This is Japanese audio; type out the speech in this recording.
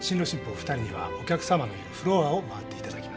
お２人にはお客さまのいるフロアを回っていただきます。